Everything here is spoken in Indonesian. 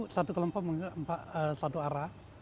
satu kelompok mungkin satu arah